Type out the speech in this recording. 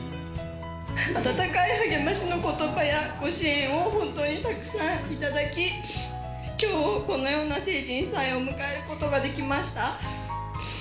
温かい励ましのことばや、ご支援を本当にたくさんいただき、きょう、このような成人祭を迎えることができました。